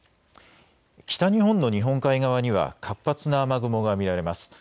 北日本の日本海側には活発な雨雲が見られます。